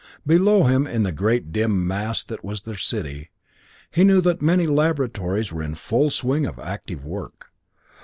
Below him, in the great dim mass that was their city, he knew that many laboratories were in the full swing of active work.